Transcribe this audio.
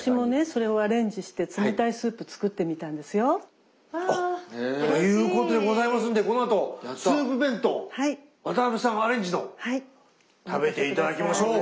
それをアレンジして冷たいスープ作ってみたんですよ。ということでございますんでこのあとスープ弁当渡辺さんアレンジの食べて頂きましょう。